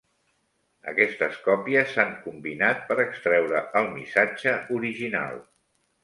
Aquestes còpies s'han combinat per extreure el missatge original.